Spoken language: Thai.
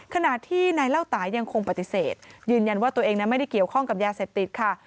ขณะที่นายเล่าตายังคงปฏิเสธยืนยันว่าตัวเองนั้นไม่ได้เกี่ยวข้องกับยาเสพติดค่ะ